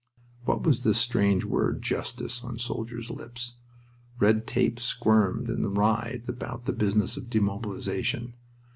What was this strange word "justice" on soldiers' lips?... Red tape squirmed and writhed about the business of demobilization.